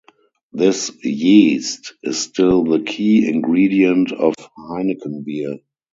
This yeast is still the key ingredient of Heineken beer.